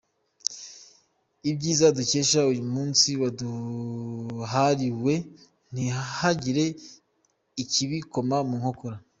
Ibyiza dukesha uyu munsi waduhariwe ntihagire ikibikoma mu nkokora.